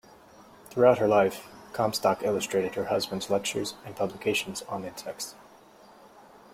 Throughout her life, Comstock illustrated her husband's lectures and publications on insects.